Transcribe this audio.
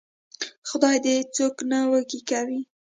خدای دې څوک نه وږي کوي.